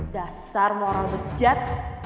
dasar moral bejat